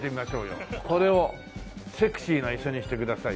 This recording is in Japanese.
これをセクシーな椅子にしてください。